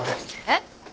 えっ？